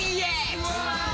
うわ！